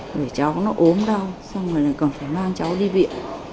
về cháu nó ốm đau xong rồi lại phải mang cháu đi viện